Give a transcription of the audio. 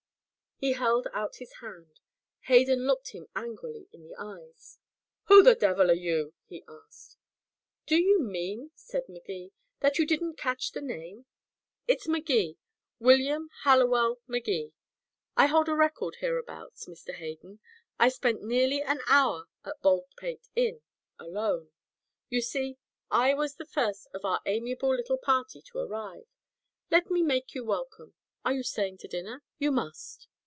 He held out his hand. Hayden looked him angrily in the eyes. "Who the devil are you?" he asked. "Do you mean," said Magee, "that you didn't catch the name. It's Magee William Hallowell Magee. I hold a record hereabouts, Mr. Hayden. I spent nearly an hour at Baldpate Inn alone. You see, I was the first of our amiable little party to arrive. Let me make you welcome. Are you staying to dinner? You must."